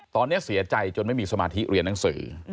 ตอนนี้เสียใจจนไม่มีสมาธิเรียนหนังสือ